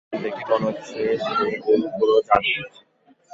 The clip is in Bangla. দেখে মনে হচ্ছে, সে ওর উপরও জাদু করেছে।